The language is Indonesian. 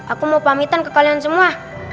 aku mau pamitan ke kalian semua